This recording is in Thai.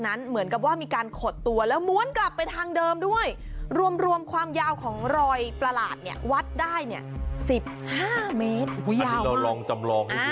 อันนี้เริ่มลองจำลองให้ดูล่ะ